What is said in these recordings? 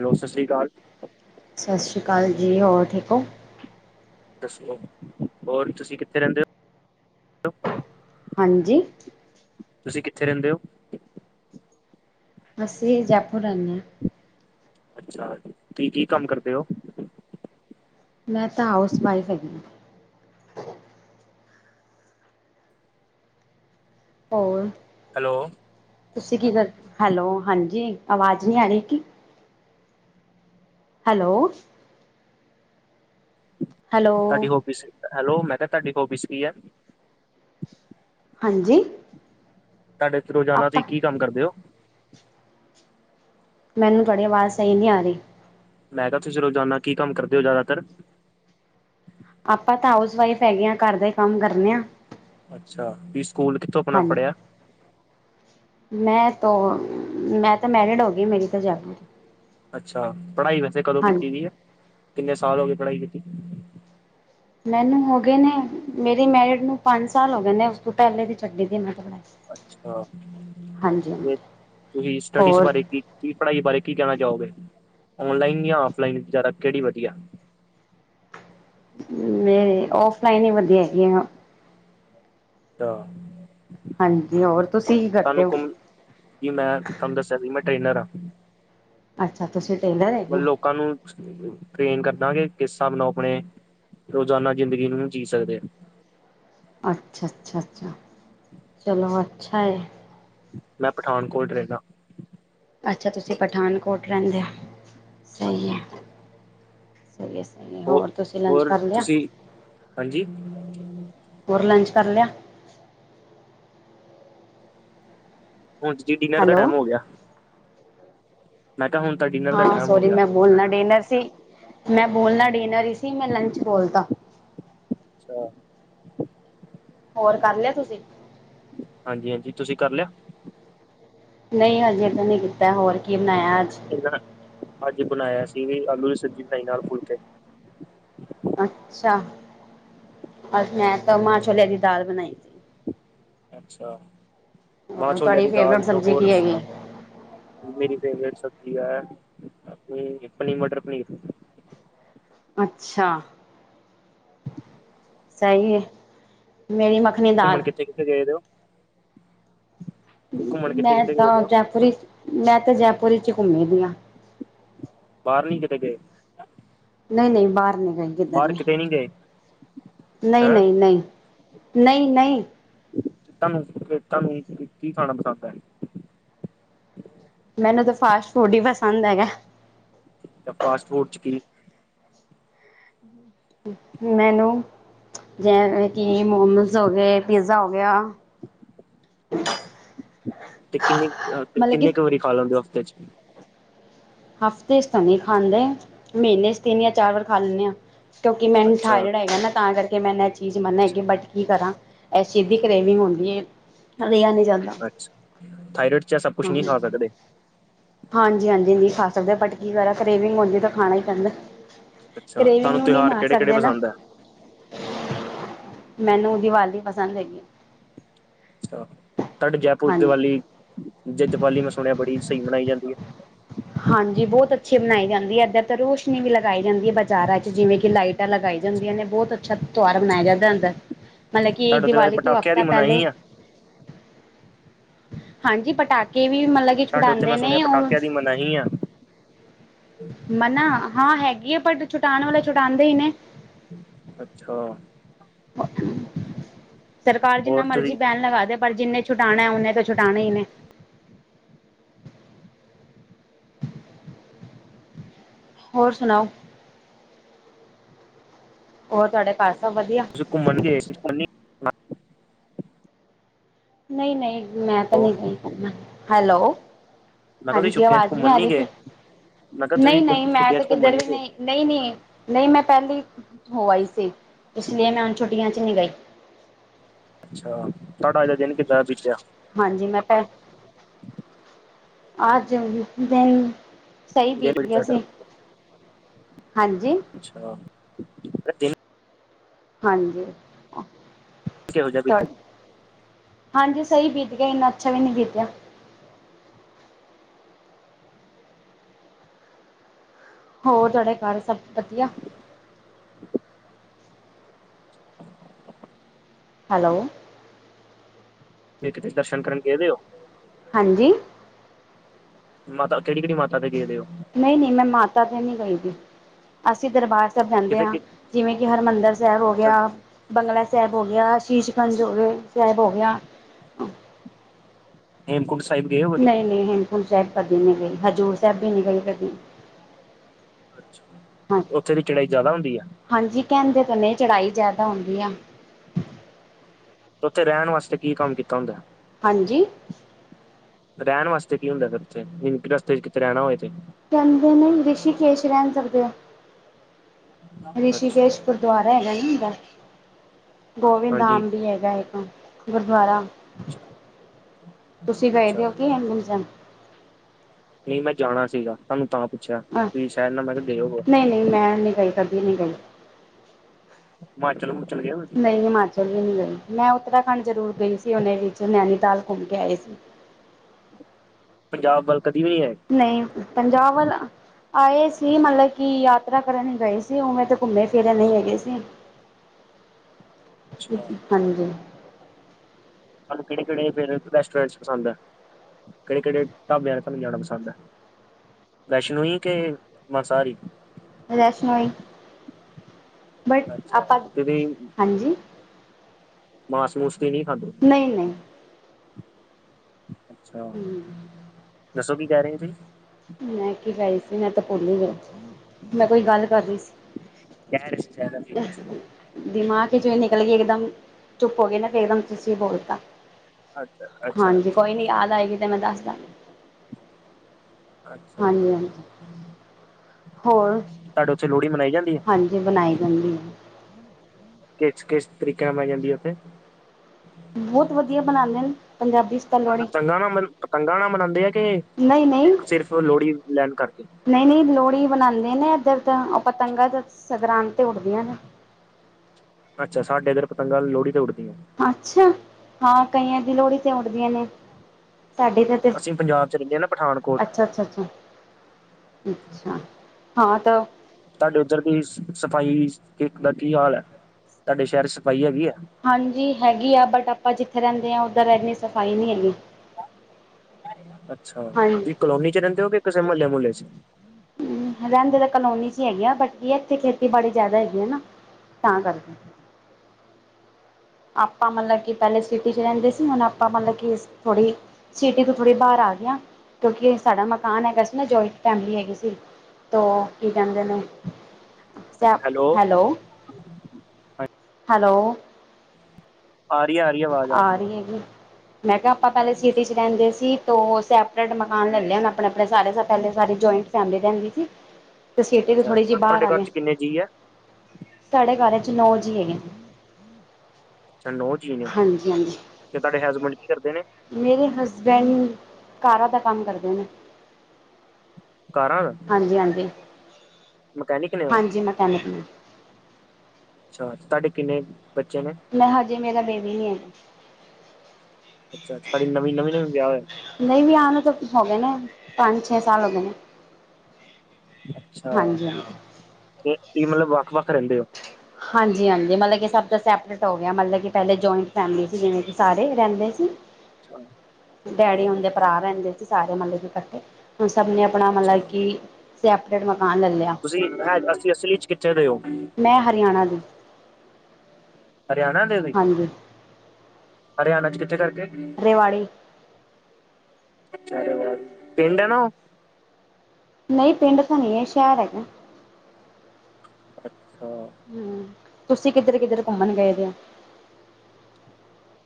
Hello, ਸਤਿ ਸ਼੍ਰੀ ਅਕਾਲ। ਸਤਿ ਸ਼੍ਰੀ ਅਕਾਲ ਜੀ। ਹੋਰ ਠੀਕ ਹੋ। ਦੱਸੋ ਹੋਰ ਤੁਸੀਂ ਕਿੱਥੇ ਰਹਿੰਦੇ ਹੋ? ਹਾਂਜੀ। ਤੁਸੀਂ ਕਿੱਥੇ ਰਹਿੰਦੇ ਹੋ? ਅਸੀਂ ਜੈਪੂਰ ਰੇਨਿਆ। ਅੱਛਾ। ਤੁਸੀਂ ਕੀ ਕੰਮ ਕਰਦੇ ਹੋ? ਮੈਂ ਤਾਂ ਹਾਊਸ ਵਾਈਫ ਹੈਗੀ ਹਾਂ। ਹੋਰ। ਹੈਲੋ, ਤੁਸੀਂ ਕੀ ਕਰ ਹੈਲੋ, ਹਾਂਜੀ। ਆਵਾਜ਼ ਨਹੀਂ ਆ ਰਹੀ। ਕਿ ਹੈਲੋ ਹੈਲੋ ਤਾਡੀ ਹੋਬੀਜ਼, ਹੈਲੋ ਮੈਂ ਕਯਾ ਤਾਡੀ ਹੋਬੀਜ਼ ਕੀ ਐ? ਹਾਂਜੀ ਤਾਡੇ ਚ ਰੋਜ਼ਾਨਾ ਤੁਈ ਆਪਾਂ ਕੀ ਕੰਮ ਕਰਦੇ ਓ? ਮੈਨੂੰ ਤੁਆਡੀ ਆਵਾਜ਼ ਸਈ ਨੀ ਆ ਰਈ। ਮੈਂ ਕਯਾ ਤੁਸੀਂ ਰੋਜ਼ਾਨਾ ਕੀ ਕੰਮ ਕਰਦੇ ਹੋ ਜ਼ਾਦਾਤਰ? ਆਪਾਂ ਤਾਂ ਹਾਊਸ ਵਾਈਫ ਹੈਗੇ ਆ ਘਰ ਦਾ ਈ ਕੰਮ ਕਰਨੇ ਆ। ਅੱਛਾ, ਵੀ ਸਕੂਲ ਕਿੱਥੋਂ ਆਪਣਾ ਪੜ੍ਹਿਆ? ਮੈਂ ਤੋਂ ਮੈਂ ਤਾਂ ਮੈਰਿਡ ਹੋ ਗਈ ਮੇਰੀ ਤਾਂ ਜਾਗ ਅੱਛਾ, ਪੜ੍ਹਾਈ ਵੈਸੇ ਕਦੋਂ ਹਾਂਜੀ ਕੀਤੀ ਦੀ ਐ? ਕਿੰਨੇ ਸਾਲ ਹੋ ਗਏ ਪੜ੍ਹਾਈ ਕੀਤੀ? ਮੈਨੂੰ ਹੋ ਗਏ ਨੇ ਮੇਰੀ ਮੈਰਿਡ ਨੂੰ ਪੰਜ ਸਾਲ ਹੋ ਗਏ ਨੇ ਉਸ ਤੋਂ ਪੇਲੇ ਦੀ ਛੱਡੀ ਦੀ ਮੈਂ ਤੇ ਬਣਾਈ ਅੱਛਾ ਤੇ ਤੁਸੀਂ ਸਟਡੀਜ਼ ਹੋਰ ਬਾਰੇ ਕੀ ਕੀ ਪੜ੍ਹਾਈ ਬਾਰੇ ਕੀ ਕੇਣਾ ਚਾਓਗੇ ਔਨਲਾਈਨ ਯਾ ਓਫਲਾਈਨ ਜ਼ਾਦਾ ਕੇੜੀ ਵਦੀਆ? ਮੇ ਔਫਲਾਈਨ ਈ ਵਦੀਆ ਹੈਗੀ ਆ ਤਾਂ ਹਾਂਜੀ ਹੋਰ ਤੁਸੀਂ ਕੀ ਕਰਦੇ ਔ? ਵੀ ਮੈਂ ਤਾਨੂੰ ਦੱਸਿਆ ਸੀ ਮੈਂ ਟ੍ਰੇਨਰ ਆ। ਅੱਛਾ, ਅੱਛਾ ਤੁਸੀਂ ਟੇਲਰ ਏ। ਬ ਲੋਕਾਂ ਨੂੰ ਟ੍ਰੇਨ ਕਰਦਾਆ ਕਿ ਕਿਸ ਹਿਸਾਬ ਨਾਲ ਆਪਣੇ ਰੋਜ਼ਾਨਾ ਜ਼ਿੰਦਗੀ ਨੂੰ ਜੀ ਸਕਦੇ ਆ। ਅੱਛਾ- ਅੱਛਾ, ਅੱਛਾ, ਚਲੋ ਅੱਛਾ ਹੈ। ਮੈਂ, ਪਠਾਨਕੋਟ ਰਹਿੰਨਾ। ਅੱਛਾ ਤੁਸੀਂ ਪਠਾਨਕੋਟ ਰੈਂਦੇ ਓ, ਸਈ ਐ। ਹਾਂਜੀ ਸਈ ਐ, ਸਈ ਐ ਹੋ ਹੋਰ ਤੁਸੀ ਲੰਚ ਹੋਰ ਕਰ ਲੇਆ? ਤੁਸੀਂ ਹਾਂਜੀ ਹੋਰ ਲੰਚ ਕਰ ਲੇਆ? ਹੋਂਜ ਦੀ ਡਿਨਰ ਦਾ ਹੈਲੋ ਟਾਈਮ ਹੋ ਗੇਆ। ਮੈਂ ਕੇਆ ਹੋਨ ਤਾਂ ਕੀ ਹਾਂ, ਸੋਰੀ ਮੈਂ ਬੋਲਨਾ ਡਿਨਰ ਸੀ, ਮੈਂ ਬੋਲਨਾ ਡਿਨਰ ਈ ਸੀ ਮੈਂ ਲੰਚ ਬੋਲਤਾ। ਅੱਛਾ। ਹੋਰ ਕਾਰ ਲੇਆ ਤੁਸੀਂ? ਹਾਂਜੀ-ਹਾਂਜੀ, ਤੁਸੀਂ ਕਰ ਲਿਆ? ਨਈਂ ਹਜੇ ਤ ਨੀ ਕੀਤੈ ਹੋਰ ਕੀ ਬਨਾਯਾ ਆਜ? ਠੀਕ ਏ ਣਾ, ‌ਆੱਜ ਬਣਾਏਆ ਸੀ ਵੀ ਆਲੂ ਦੀ ਸਬਜੀ ਬਣਾਈ ਨਾਲ ਫੁਲਕੇ। ਅੱਛਾ, ਆੱਜ ਮੈ ਤਾ ਮਾਂ ਛੋਲੇਆਂ ਦੀ ਦਾਲ਼ ਬਣਾਈ। ਸੀ। ਅੱਛਾ, ਮਾਂ ਛੋਲੇਆਂ ਤੁਹਾਡੀ ਦੀ ਦਾਲ ਫੇਵਰੇਟ ਤੋ ਸਬਜ਼ੀ ਹੋਰ ਕੀ ਹੈਗੀ? ਮੇਰੀ ਫੇਵਰੇਟ ਸਬਜੀ ਐ, ਆਪਨੀ ਪਨੀਰ ਮਟਰ-ਪਨੀਰ। ਅੱਛਾ। ਸਈ ਏ, [unintelligible] ਘੁੰਮਣ ਕਿੱਥੇ-ਕਿੱਥੇ ਗਏ ਦੇ ਓ? ਮ ਮੈਂ ਤਾਂ ਜੈਪੁਰੀ, ਮੈਂ ਤੇ ਜੈਪੁਰੀ ਚ ਘੁੰਮੇ ਦੀ ਆਂ। ਬਾਰ ਨੀ ਕਿਤੇ ਗਏ? ਨਈ-ਨਈ ਬਾਰ ਨੀ ਗਈ। ਬਾਹਰ ਗਰਮੀ ਕਿਤੇ ਨੀ ਗਏ ਹੈਂ ਨਈਂ-ਨਈਂ-ਨਈਂ, ਨਈਂ-ਨਈਂ। ਤੁਹਾਨੂੰ [inaudible] ਕੀ ਖਾਣਾ ਪਸੰਦ ਹੈ? ਮੈਨੂੰ ਤੇ ਫਾਸਟ-ਫੂਡ ਈ ਪਸੰਦ ਹੈਗਾ। ਤ ਫਾਸਟ-ਫੂਡ ਚ ਕੀ [inaudible] [unintelligible] ਮੈਨੂੰ ਜੈਵੇਂ ਕਿ ਮੋਮੋਜ ਹੋ ਗਏ, ਪੀਜ਼ਾ ਹੋ ਗੇਆ। ਤੇ ਕਿੰਨੀ ਕ ਅ, ਮਤਲਬ ਕਿ ਕਿੰਨੇ ਕ ਵਰੀ ਖਾ ਲੈਂਦੇ ਓ ਹਫਤੇ ਚ? ਹਫਤੇ ਚ ਤਾਂ ਨਈਂ ਖਾਂਦੇ, ਮ੍ਹੀਨੇ ਚ ਤਿੰਨ ਯਾ ਚਾਰ ਵਾਰ ਖਾ ਲੀਨੇ ਆ। ਕੇਓਕਿ ਮੈਨ ਅੱਛਾ ਥਾਏਰੇੜ ਹੈਗਾ ਨਾ ਤਾਂ ਕਰਕੇ ਮੈਨਜ ਮਨ ਹੈਗੀ ਅੱਛਾ ਬਟ ਕੀ ਕਰਾ, ਐਸੀ ਵੀ ਕਰੇਵਿੰਗ ਹੁੰਦੀ ਐ, ਰਿਹਾ ਨੀ ਜਾਂਦ ਅੱਛਾ, ਥਾਇਰਡ ਚ ਆ ਸਭ ਕੁਝ ਨੀ ਖਾ ਸਕਦੇ। ਹਾਂਜੀ-ਹਾਂਜੀ ਨਹੀਂ ਖਾ ਸਕਦੇ, ਬਟ ਕੀ ਕਰਾ ਕਰੇਵਿੰਗ ਹੁੰਦੀ ਤਾਂ ਖਾਣਾ ਈ ਪੈਂਦਾ। ਅੱਛਾ ਕਰੇਵਿੰਗ ਤੁਹਾਨੂੰ ਨੂੰ ਨੀਂ ਤਿਉਹਾਰ ਮਾਰ ਕਿਹੜੇ ਕਿਹੜੇ ਸਕਦੇ ਨਾ। ਪਸੰਦ ਹੈ ਮੈਨੂੰ ਦੀਵਾਲੀ ਪਸੰਦ ਹੈਗੀ ਏ। ਅੱਛਾ, ਤੁਹਾਡੇ ਜੈਪੁਰ ਚ ਹਾਂਜੀ। ਦੀਵਾਲੀ, ਜੇ ਦੀਵਾਲੀ ਮੈਂ ਸੁਣਿਆ ਬੜੀ ਸਹੀ ਮਨਾਈ ਜਾਂਦੀ ਏ। ਹਾਂਜੀ ਬਹੁਤ ਅੱਛੀ ਮਨਾਈ ਜਾਂਦੀ ਐ, ਇੱਦਾਂ ਤਾਂ ਰੋਸ਼ਨੀ ਵੀ ਲਗਾਈ ਜਾਂਦੀ ਐ, ਬਾਜ਼ਾਰਾਂ ਚ ਜਿਵੇਂ ਕਿ ਲਾਈਟ ਤੇ ਲਗਾਈ ਅੱਛਾ ਜਾਂਦੀਆਂ ਨੇ ਬਹੁਤ ਅੱਛਾ ਤਿਉਹਾਰ ਮਨਾਇਆ ਜਾਂਦਾ ਅੰਦਰ। ਹਲੇ ਕਿ ਤੁਹਾਡੇ ਉੱਥੇ ਵੈਸੇ ਦੀਵਾਲੀ ਤੋਂ ਪਟਾਕਿਆਂ ਦੀ ਹਫ਼ਤਾ ਪਹਿਲੇੇ ਮਨਾਹੀ ਆ ਹਾਂਜੀ, ਪਟਾਕੇ ਵੀ ਮਤਲਬ ਕਿ ਛੁਣਾਦੇਂ ਨੇ ਓ ਨਹੀਂ ਆ। ਮਨਾ ਹਾਂ ਹੈਗੀ ਏ ਬਟ ਛੁਟਾਣ ਵਾਲੇ ਛੁਟਾਉਂਦੇ ਈ ਨੇ। ਅੱਛਾ। [inaudible] ਸਰਕਾਰ ਜਿੰਨਾ ਹੋਰ ਮਰਜੀ ਤੁਸੀਂ ਬੈਨ ਲਗਾ ਦੇ ਪਰ ਜਿੰਨੇ ਛੁਟਾਣਾ ਉਹਨੇ ਤਾਂ ਛੁਟਾਉਨੇ ਈ ਨੇਂ। [inaudible] ਹੋਰ ਸੁਣਾਓ? ਹੋਰ ਤੁਹਾਡੇ ਘਰ ਸਭ ਵਧੀਆ? ਘੁਮਣ ਗਏ ਸੀ ਓਨੀ ਨਹੀਂ- ਨਹੀਂ ਮੈਂ ਤਾਂ ਨਹੀਂ ਗਈ ਘੁਮਣ। ਹੈਲੋ ਕਿਹਾ ਤੁਸੀਂ ਹਾਂਜੀ, ਛੁੱਟੀਆਂ ਚ ਆਵਾਜ਼ ਨਹੀਂ ਘੁੰਮਣ ਆ ਨੀ ਰਹੀ ਕੀ? ਗਏ ਮੈਂ ਕਿਹਾ ਤੁਸੀਂ ਨਹੀਂ -ਨਹੀਂ ਮੈਂ ਛੁੱਟੀਆਂ ਤਾਂ ਚ ਘੁੰਮਣ ਕਿੱਧਰੇ ਨੀ ਗਏ ਨਹੀਂ ਨਹੀਂ -ਨਹੀਂ, ਨਹੀਂ ਮੈਂ ਪਹਿਲੇ ਹੋਆਈ ਸੀ ਇਸ ਲਈ ਮੈਂ ਹੁਣ ਛੁੱਟੀਆਂ 'ਚ ਨਹੀਂ ਗਈ। ਅੱਛਾ, ਤੁਹਾਡਾ ਅੱਜ ਦਾ ਦਿਨ ਕਿੱਦਾਂ ਦਾ ਬੀਤਿਆ। ਹਾਂਜੀ ਮੈਂ ਪੈ ਅੱਜ ਦਿਨ ਸਹੀ ਦਿਨ ਬੀਤ ਵਿੱਚ ਗਿਆ ਤੁਹਾਡਾ ਸੀ, ਹਾਂਜੀ। ਅੱਛਾ। [inaudible] ਹਾਂਜੀ। ਅ ਕੇਹੋ ਜੇਹਾ ਬਿਤਾ ਹਾਂਜੀ ਸਹੀ ਬੀਤ ਗਿਆ, ਇੰਨਾ ਅੱਛਾ ਵੀ ਨਹੀਂ ਬੀਤਯਾ। ਹੋਰ ਤੁਹਾਡੇ ਘਰ ਸਭ ਵਧੀਆ। ਹੈਲੋ। ਵੀ ਕਿਤੇ ਦਰਸ਼ਨ ਕਰਨ ਗਏ ਦੇ ਓ? ਹਾਂਜੀ। ਮਾਤਾ ਕਿਹੜੀ-ਕਿਹੜੀ ਮਾਤਾ ਤੇ ਗਏ ਦੇ ਓ? ਨਈਂ-ਨਈਂ ਮੈਂ ਮਾਤਾ ਤੇ ਨਈ ਗਈ ਦੀ, ਅਸੀਂ ਦਰਬਾਰ [inaudible] ਜਾਂਦੇ ਕਿਤੇ ਆਂ, ਕਿ ਜਿਵੇਂ ਕਿ ਹਰਿਮੰਦਰ ਸਾਹਿਬ ਹੋ ਅੱਛਾ ਗਿਆ। ਬੰਗਲਾ ਸਾਹਿਬ ਹੋ ਗਿਆ, ਸ਼ੀਸ਼ਗੰਜ ਹੋ, ਸਾਹਿਬ ਹੋ ਗਿਆ। ਹੇਮਕੁੰਟ ਸਾਹਿਬ ਗਏ ਹੋ। ਕਦੀ ਨਹੀਂ -ਨਹੀਂ ਹੇਮਕੁੰਟ ਸਾਹਿਬ ਕਦੀ ਨਹੀਂ ਗਈ, ਹਜ਼ੂਰ ਸਾਹਿਬ ਵੀ ਨਹੀਂ ਗਈ ਕਦੀ। ਅੱਛਾ, ਹਾਂ ਉੱਥੇ ਦੀ ਚੜਾਈ ਜ਼ਿਆਦਾ ਹੁੰਦੀ ਆ। ਹਾਂਜੀ ਕਹਿੰਦੇ ਤਾਂ ਨੇ, ਚੜਾਈ ਜ਼ਿਆਦਾ ਹੁੰਦੀ ਆ। ਤੇ ਉੱਥੇ ਰਹਿਣ ਵਾਸਤੇ ਕੀ ਕੰਮ ਕੀਤਾ ਹੁੰਦਾ ਏ। ਹਾਂਜੀ। ਰਹਿਣ ਵਾਸਤੇ ਕੀ ਹੁੰਦਾ ਫੇਰ ੳਥੇ, ਰਸਤੇ ਚ ਕਿਤੇ ਰਹਿਣਾ ਹੋਵੇ ਤੇ। ਕਹਿੰਦੇ ਨੇ ਰਿਸ਼ੀਕੇਸ਼ ਰਹਿਣ ਸਕਦੇ ਹੋ, ਰਿਸ਼ੀਕੇਸ਼ ਅੱਛਾ ਗੁਰਦੁਆਰੇ ਹੈਗਾ ਨੀ ਹੈਗਾ ਗੋਬਿੰਦ ਹਾਂਜੀ ਧਾਮ ਵੀ ਹੈਗਾ ਇੱਕ, ਗੁਰਦੁਆਰਾ ਅੱਛਾ ਤੁਸੀਂ ਗਏ ਦੇ ਅੱਛਾ ਹੋ ਕੀ ਹੇਮਕੁੰਟ ਸਾਹਿਬ। ਨਹੀਂ ਮੈਂ ਜਾਣਾ ਸੀਗਾ ਤੁਹਾਨੂੰ ਤਾਂ ਪੁੱਛਿਆ ਅ ਤੁਸੀਂ ਸ਼ਹਿਦ ਨਾਲ ਮੈਂ ਕਿਹਾ ਗਏ ਹੋਵੋ। ਨਹੀਂ ਨਹੀਂ, ਮੈਂ ਨਹੀਂ ਗਈ ਕਦੀ ਨਹੀਂ ਗਈ। ਹਿਮਾਚਲ ਮੂਚਲ ਗਏ ਓ ਕਦੇ। ਨਹੀਂ ਹਿਮਾਚਲ ਵੀ ਨਹੀਂ ਗਈ। ਮੈਂ ਉੱਤਰਾਖੰਡ ਜ਼ਰੂਰ ਗਈ ਸੀ ਹੁਨੇ ਵਿੱਚ ਨੈਨੀਤਾਲ ਘੁੰਮ ਕੇ ਆਏ ਸੀ। ਪੰਜਾਬ ਵੱਲ ਕਦੀ ਵੀ ਨਹੀਂ ਗਏ। ਨਹੀਂ ਪੰਜਾਬ ਵਾਲਾ ਆਏ ਸੀ ਮਤਲਬ ਕਿ ਯਾਤਰਾ ਕਰਨ ਲਈ ਗਏ ਸੀ ਉਵੇਂ ਤੇ ਘੁੰਮੇ ਫਿਰੇ ਨਹੀ ਹੈਗੇ ਸੀ। ਅੱਛਾ ਹਾਂਜੀ ਤੁਹਾਨੂੰ ਕਿਹੜੇ ਕਿਹੜੇ ਫਿਰ ਰੈਸਟੋਰੈਂਟਸ ਪੰਸਦ ਏ। ਕਿਹੜੇ ਕਿਹੜੇ ਢਾਬਿਆਂ ਚ ਤੁਹਾਨੂੰ ਜਾਣਾ ਪਸੰਦ ਏ। ਵੈਸ਼ਨੋਈ ਕੇ ਮਾਂਸਾਹਾਰੀ। ਵੈਸ਼ਨੋਈ ਬਟ ਅੱਛਾ। ਆਪਾਂ ਤੇ ਤੁਹੀ ਹਾਂਜੀ ਮਾਸ ਮੂਸ ਨਹੀਂ ਖਾਂਦੇ। ਨਹੀਂ ਨਹੀਂ ਅੱਛਾ ਹਮ ਦੱਸੋ ਕੀ ਕਹਿ ਰਹੇ ਹੋ ਤੁਸੀ। ਮੈਂ ਕੀ ਕਹਿ ਰਹੀ ਸੀ ਮੈਂ ਤੇ ਭੋਲ ਹੀ ਗਈ, ਮੈਂ ਕੋਈ ਗੱਲ ਕਰ ਰਹੀ ਸੀ। ਸਹਰ [unintelligible] ਦਿਮਾਗ ਚੋ ਨਿਕਲ ਗਿਆ ਇੱਕਦਮ ਚੁੱਪ ਹੋ ਗਏ ਨਾ ਤੇ ਇੱਕਦਮ ਤੁਸੀਂ ਬੋਲਤਾ। ਅੱਛਾ, ਅੱਛਾ, ਹਾਂਜੀ ਅੱਛਾ, ਕੋਈ ਨੀ ਯਾਦ ਆਏਗੀ ਤੇ ਮੈਂ ਦੱਸ ਦਾਗੀ। ਅੱਛਾ। ਹਾਂਜੀ ਹਾਂਜੀ ਹੋਰ ਤੁਹਾਡੇ ਉੱਥੇ ਲੋਹੜੀ ਮਨਾਈ ਜਾਂਦੀ ਹੈ? ਹਾਂਜੀ। ਜੇ ਬਣਾਈ ਜਾਂਦੀ ਕਿਸ ਕਿਸ ਤਰੀਕੇ ਨਾਲ ਮਿਲ ਜਾਂਦੀ ਹੈ ਉੱਥੇ ਬਹੁਤ ਵਧੀਆ ਬਣਾਉਂਦੇ ਨੇ ਪੰਜਾਬੀ ' ਤਾਂ ਲੋੜੀ ਪਤੰਗਾਂ ਨਾਲ ਪਤੰਗਾਂ ਨਾਲ ਮਨਾਉਂਦੇ ਆ ਕਿ ਨਹੀਂ ਨਹੀਂ ਸਿਰਫ ਲੋਹੜੀ ਲੈਣ ਕਰਕੇ ਨਹੀਂ ਨਹੀਂ ਲੋਹੜੀ ਮਨਾਉਂਦੇ ਨੇ ਇੱਧਰ ਤਾਂ ਪਤੰਗਾ ਤਾਂ ਸਕਰਾਂਤ ਤੇ ਉਡਦੀਆਂ ਨੇ ਅੱਛਾ ਸਾਡੇ ਇੱਧਰ ਪਤੰਗਾਂ ਲੋਹੜੀ ਤੇ ਉਡਦੀਆਂ ਅੱਛਾ ਹਾਂ ਕਈਆਂ ਦੀ ਲੋਹੜੀ ਤੇ ਉਡਦੀਆਂ ਨੇ ਸਾਡੇ ਤੇ ਅਸੀਂ ਪੰਜਾਬ ਚ ਰਹਿੰਦੇ ਆ ਨਾ ਪਠਾਨਕੋਟ ਅੱਛਾ ਅੱਛਾ ਅੱਛਾ ਹਾਂ ਤਾਂ ਤੁਹਾਡੇ ਉੱਧਰ ਦੀ ਸਫ਼ਾਈ ਦਾ ਕੀ ਹਾਲ ਹੈ ਤੁਹਾਡੇ ਸ਼ਹਿਰ ਚ ਸਫ਼ਾਈ ਹੈਗੀ ਹੈ ਹਾਂਜੀ ਹੈਗੀ ਆ ਬਟ ਆਪਾਂ ਜਿੱਥੇ ਰਹਿੰਦੇ ਹਾਂ ਉੱਧਰ ਇਨੀ ਸਫ਼ਾਈ ਨਹੀਂ ਹੈਗੀ ਅੱਛਾ ਹਾਂਜੀ ਇਹ ਕਲੋਨੀ ਚ ਰਹਿੰਦੇ ਹੋ ਕਿ ਕਿਸੇ ਮਹੱਲੇ ਮੁਹੱਲੇ ਚ ਹਮ ਰਹਿੰਦੇ ਤਾਂ ਕਲੋਨੀ ਚ ਹੀ ਹੈਗੇ ਆ ਬਟ ਕੀ ਹੈ ਇੱਥੇ ਖੇਤੀਬਾੜੀ ਜ਼ਿਆਦਾ ਹੈਗੀ ਆ ਨਾ। ਤਾਂ ਕਰਕੇ ਆਪਾਂ ਮਤਲਬ ਕੀ ਪਹਿਲੇ ਸਿਟੀ ਚ ਰਹਿੰਦੇ ਸੀ ਹੁਣ ਆਪਾਂ ਮਤਲਬ ਕਿ ਥੋੜ੍ਹੀ ਸਿਟੀ ਤੋਂ ਥੋੜ੍ਹੀ ਬਾਹਰ ਆ ਗਏ ਹਾਂ ਕਿਉਂਕਿ ਸਾਡਾ ਮਕਾਨ ਹੈਗਾ ਸੀ ਨਾ ਜਇੰਟ ਫੈਮਲੀ ਹੈਗੀ ਸੀ। ਤੋ ਕੀ ਕਹਿੰਦੇ ਨੇ, ਹੈਲੋ ਹੈਲੋ ਆਰੀ ਆਰੀ ਆਵਾਜ ਆ ਰਹੀ ਹੈਗੀ ਮੈਂ ਕਿਹਾ ਆਪਾਂ ਪਹਿਲੇ ਹਾਂਜੀ ਸਿਟੀ ਚ ਰਹਿੰਦੇ ਸੀ ਤ ਸ ਡਾ ਮਕਾਨ ਲੈ ਲਿਆ ਆਪਣੇ ਆਪਣੇ ਸਾਰੇ ਪਹਿ ਸਾਰੀ ਜੁਆਇੰਟ ਫੈਮਿਲੀ ਰਹਿੰਦੀ ਸੀ ਤੇ ਸਟੇ ਤੋਂ ਅੱਛਾ ਥੋੜੀ ਅੱਛਾ ਜਿਹੀ ਬਾਹਰ ਤੁਹਾਡੇ ਆ ਘਰ ਗਏ ਚ ਕਿੰਨੇ ਜੀਅ ਹੈ ਸਾਡੇ ਘਰ ਚ ਨੌ ਜੀ ਹੈਗੇ ਨੋ ਜੀ ਨੇ ਹਾਂਜੀ ਹਾਂਜੀ ਤੇ ਤੁਹਾਡੇ ਹਸਬੈਂਡ ਕੀ ਕਰਦੇ ਨੇ ਮੇਰੇ ਹਸਬੈਂਡ ਕਾਰਰਾਂ ਦਾ ਕੰਮ ਕਰਦੇ ਨੇ ਕਾਰਾਂ ਹਾਂਜੀ ਹਾਂਜੀ ਮਕੈਨਿਕ ਨੇ ਉਹ ਹਾਂਜੀ ਮਕੈਨਿਕ ਨੇ ਅੱਛਾ ਤੁਹਾਡੇ ਕਿੰਨੇ ਬੱਚੇ ਨੇ ਮੈਂ ਹਜੇ ਮੇਰਾ ਬੇਬੀ ਨਹੀਂ ਹ ਅੱਛਾ ਜੀ ਨਵਾਂ ਨਵਾਂ ਵਿਆਹ ਹੋਇਆ ਨਹੀਂ ਵੀ ਆਉਣਾ ਤਾਂ ਹੋ ਗਏ ਨੇ ਪੰਜ ਛੇ ਸਾਲ ਹੋ ਗਏ ਨੇ ਅੱਛਾ ਹਾਂਜੀ ਹਾਂਜੀ ਤੇ ਤੁਸੀਂ ਮਤਲਬ ਵੱਖ ਵੱਖ ਰਹਿੰਦੇ ਹੋ ਹਾਂਜੀ ਹਾਂਜੀ ਮਤਲਬ ਕਿ ਸਭ ਦਾ ਸੈਪਰੇਟ ਹੋ ਗਿਆ ਮਤਲਬ ਕਿ ਪਹਿ ਜਇੰਟ ਫੈਮ ਸੀ ਜਿਵੇਂ ਕਿ ਸਾਰੇ ਰਹਿੰਦੇ ਸੀ ਡੈਡੀ ਅੱਛਾ ਹੁੰਦੇ ਭਰਾ ਰਹਿੰਦੇ ਸੀ ਸਾਰੇ ਮਤਲਬ ਕਿ ਇਕੱਠੇ ਹੁਣ ਸਭ ਨੇ ਆਪਣਾ ਮਤਲਬ ਅੱਛਾ ਕਿ ਸੈਪਰੇਟ ਮਕਾਨ ਲੈ ਲਿਆ ਤੁਸੀਂ ਅਸਲ ਵਿੱਚ ਕਿੱਥੇ ਦੇ ਹੋ ਮੈਂ ਹਰਿਆਣਾ ਦੀ ਹਰਿਆਣਾ ਦੇ ਹੋ ਤੁਸੀਂ? ਹਾਂਜੀ ਹਰਿਆਣਾ ਚ ਕਿੱਥੇ ਕਰਕੇ ਰੇਵਾੜੀ ਪਿੰਡ ਹ ਨਾ ਨਹੀਂ ਪਿੰਡ ਤਾਂ ਨਹੀਂ ਹੈ ਸ਼ਹਿਰ ਹੈਗਾ ਅੱਛਾ ਤੁਸੀਂ ਕਿੱਧਰ ਕਿੱਧਰ ਘੁੰਮਣ ਗਏ ਹੋ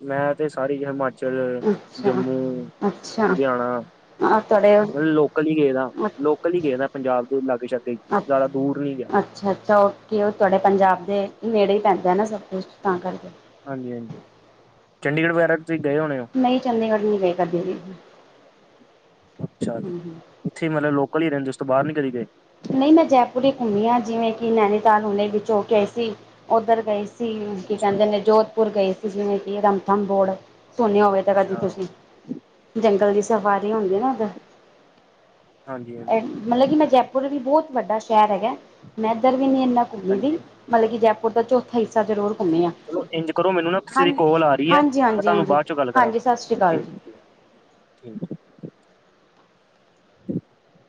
ਮੈਂ ਤੇ ਸਾਰੀ ਹਿਮਾਚਲ ਅੱਛਾ ਜੰਮੂ ਅੱਛਾ ਲੁਧਿਆਣਾ ਆ ਤੁਹਾਡੇ ਅ ਹੈਲੋ ਹੈਲੋ ਅੱ ਅੱਛ ਅੱਛਾ ਅੱਛਾ ਓਕੇ ਉਹ ਤੁਹਾਡੇ ਪੰਜਾਬ ਦੇ ਨੇੜੇ ਹੀ ਪੈਂਦਾ ਨਾ ਸਭ ਕੁਛ ਤਾਂ ਕਰਕੇ ਹਾਂਜੀ ਹਾਂਜੀ ਚੰਡੀਗੜ੍ਹ ਵਗੈਰਾ ਤੁਸੀਂ ਗਏ ਹੋਣੇ ਹੋ ਨਈ ਚੰਡੀਗੜ੍ਹ ਨੀ ਗਏ ਕਦੀ ਵੀ। ਅੱਛਾ ਜੀ, ਹੂੰ ਇੱਥੇ ਮਤਲਬ ਲੋਕਲ ਈ ਰੈੰਦੇ, ਉਸ ਤੋਂ ਬਾਰ ਨੀ ਕਦੀ ਗਏ? ਨਹੀਂ ਮੈਂ ਜੈਪੁਰ ਹੀ ਘੁੰਮੀ ਹਾਂ ਜਿਵੇਂ ਕਿ, ਨੈਨੀਤਾਲ ਹੁਣੇ ਵਿੱਚ ਹੋਕੇ ਆਈ ਸੀ, ਔਧਰ ਗਏ ਸੀ। ਸੀ ਕੀ ਕੈੰਦੇ ਨੇ ਅੱਛਾ-ਅੱਛਾ, ਜੋੋਧਪੁਰ ਗਏ ਸੀ, ਜਿਵੇਂ ਕਿ ਰਮਥਮ ਬੋਰਡ ਸੁਣਿਆ ਹੋਵੇ ਤਰਾਂ ਦੀ ਤੁਸੀਂ ਜੰਗਲ ਦੀ ਸਫਾਰੀ ਹੁੰਦੀ ਏਨਾ ਉੱਧ ਹਾਂਜੀ-ਹਾਂਜੀ, ਅ ਹਾਂਜੀ ਮਤਲਬ ਕਿ ਮੈਂ ਜੈਪੁਰ ਵੀ ਬੌਤ ਵੱਡਾ ਸੈ਼ਰ ਹੈਗੈ, ਮੈਂ ਐਧਰ ਵੀ ਨੀ ਇੰਨਾ ਵੀਂਦੀ ਹਾਂਜੀ ਹਾਂਜੀ, ਮਤਲਬ ਕਿ ਜੈਪੁਰ ਦਾ ਚੋਥ ਥਾ ਹਿਸਾ ਜ਼ਰੂਰ ਘੁੰਮੇ ਆ। ਚਲੋ ਇੰਝ ਕਰੋ ਮੈਨੂੰ ਨਾ ਕਿਸੇ ਦੀ ਹਾਂਜ ਕੋਲ ਆ ਰਹੀ ਹੈ। ਹਾਂਜੀ ਮੈਂ ਹਾਂਜੀ ਤੁਹਾਨੂੰ ਹਾਂਜੀ ਬਾਅਦ ਚੋਂ ਗੱਲ ਕਰਾਂ ਹਾਂਜੀ। ਸਤ ਸ਼੍ਰੀ ਕਾਲ ਜੀ। ਠੀਕ-ਠੀਕ-ਠੀਕ। [inaudible]